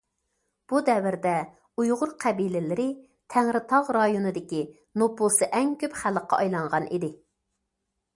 بۇ دەۋردە ئۇيغۇر قەبىلىلىرى تەڭرى تاغ رايونىدىكى نوپۇسى ئەڭ كۆپ خەلققە ئايلانغان ئىدى.